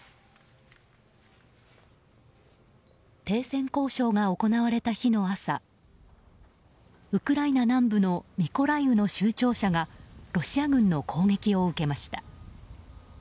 停戦交渉が行われた日の朝ウクライナ南部のミコライウの州庁舎がロシア軍の攻撃を受けました。